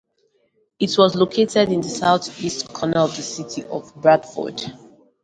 It was located in the south-east corner of the city of Bradford.